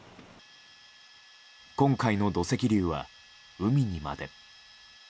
今回の土石流は、海にまで。